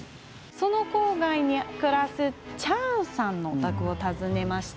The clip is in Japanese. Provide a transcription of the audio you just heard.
その郊外に暮らすチャーンさんのお宅を訪ねました。